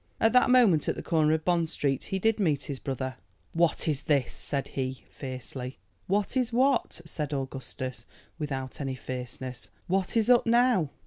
At that moment, at the corner of Bond Street, he did meet his brother. "What is this?" said he, fiercely. "What is what?" said Augustus, without any fierceness. "What is up now?"